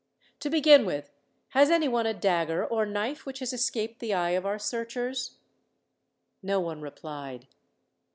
"To begin with, has anyone a dagger or knife which has escaped the eye of our searchers?" No one replied.